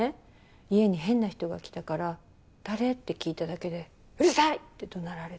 家に変な人が来たから誰？って聞いただけでうるさい！ってどなられて。